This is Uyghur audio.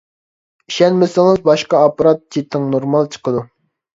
ئىشەنمىسىڭىز باشقا ئاپپارات چېتىڭ، نورمال چىقىدۇ.